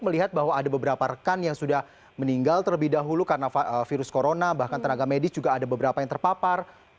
melihat bahwa ada beberapa rekan yang sudah meninggal terlebih dahulu karena virus corona bahkan tenaga medis juga ada beberapa yang terpapar